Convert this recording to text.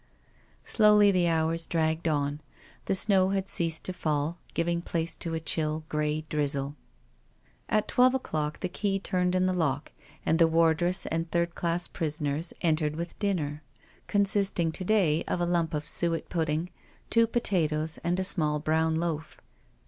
Slowly the hours dragged on. The snow had ceased to fall, giving place to a chill, grey drizzle. At twelve o'clock the key turned in the lock, and the wardress and third class prisoners entered with dinner,, consisting to day of a lump of suet pudding, two pota toes, and a small brown loaf.